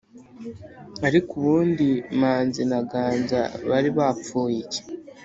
ariko ubundi manzi na ganza bari barapfuye iki.